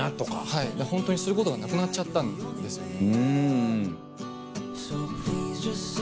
はいホントにすることがなくなっちゃったんですよね。